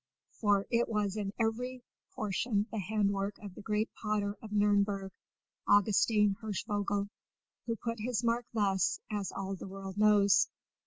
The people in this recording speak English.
for it was in every portion the handwork of the great potter of Nürnberg, Augustin Hirschvogel, who put his mark thus, as all the world knows.